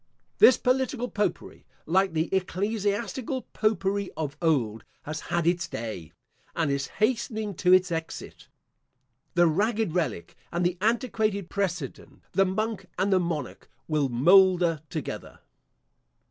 This political popery, like the ecclesiastical popery of old, has had its day, and is hastening to its exit. The ragged relic and the antiquated precedent, the monk and the monarch, will moulder together.